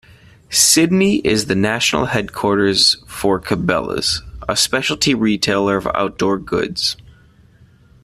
Sidney is the national headquarters for Cabela's, a specialty retailer of outdoor goods.